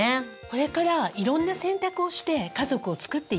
これからいろんな選択をして家族を作っていけるんですよね。